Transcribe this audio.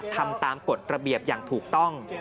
ทำตามกฎระเบียบอย่างถูกต้อง